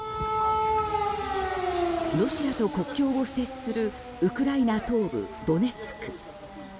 ロシアと故郷を接するウクライナ東部ドネツク。